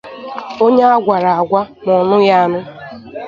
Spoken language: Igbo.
onye a gwara agwa ma ọ nụghị anụ